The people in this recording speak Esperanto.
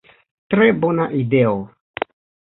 Tre bona ideo!